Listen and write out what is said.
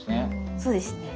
そうですね。